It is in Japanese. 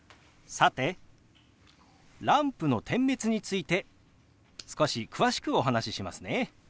さてランプの点滅について少し詳しくお話ししますね。